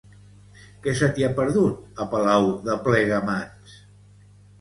Què se t'hi ha perdut, a Palau de Plegamans?